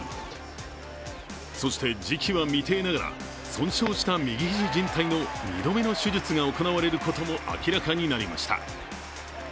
そして、時期は未定ながら損傷した右肘じん帯の２度目の手術が行われることも明らかになりました。